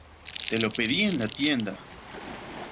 ¡ Te lo pedí en la tienda!